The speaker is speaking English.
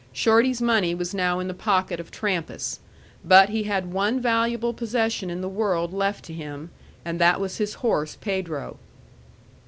Shorty's money was now in the pocket of Trampas. But he had one valuable possession in the world left to him, and that was his horse Pedro.